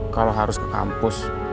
kalo harus ke kampus